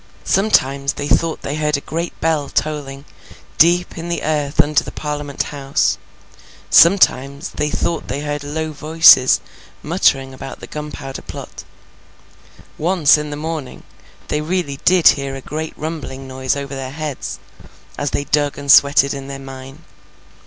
Sometimes, they thought they heard a great bell tolling, deep down in the earth under the Parliament House; sometimes, they thought they heard low voices muttering about the Gunpowder Plot; once in the morning, they really did hear a great rumbling noise over their heads, as they dug and sweated in their mine.